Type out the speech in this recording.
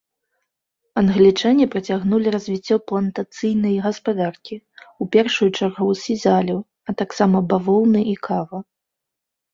Англічане працягнулі развіццё плантацыйнай гаспадаркі, у першую чаргу сізалю, а таксама бавоўны і кава.